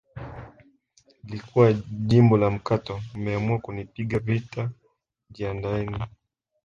lilikuwa jibu la mkato mmeamua kunipiga vita jiandaeni